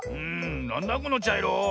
なんだこのちゃいろ。